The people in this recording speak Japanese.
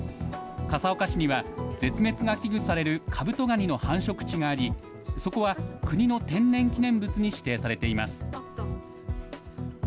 笠岡市には絶滅が危惧されるカブトガニの繁殖地があり、そこは国の天然記念物に指定されています。